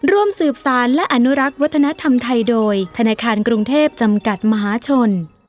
ร่วมสืบสารและอนุรักษ์วัฒนธรรมไทยโดยธนาคารกรุงเทพจำกัดมหาชน